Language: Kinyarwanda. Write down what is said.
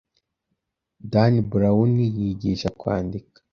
Dani Burawuni Yigisha Kwandika